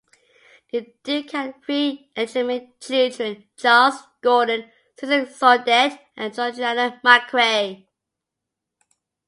The Duke had three illegitimate children: Charles Gordon, Susan Sordet, and Georgiana McCrae.